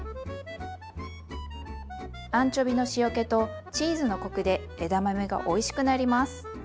アンチョビの塩気とチーズのコクで枝豆がおいしくなります。